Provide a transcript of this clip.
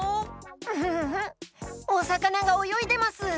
フフフフッおさかながおよいでます！